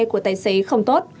của tài xế không tốt